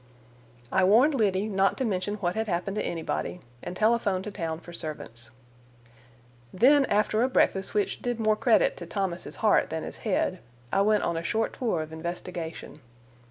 I warned Liddy not to mention what had happened to anybody, and telephoned to town for servants. Then after a breakfast which did more credit to Thomas' heart than his head, I went on a short tour of investigation.